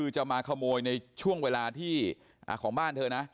จะมาขโมยในช่วงเวลาที่ของบ้านเธอนะ